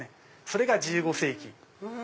それが１５世紀。